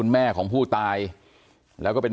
เสร็จแล้วก็ละ